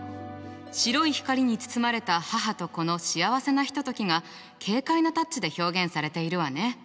白い光に包まれた母と子の幸せなひとときが軽快なタッチで表現されているわね。